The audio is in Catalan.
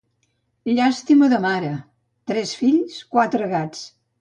Llàstima de mare! tres fills, quatre gats!